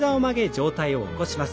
上体を起こします。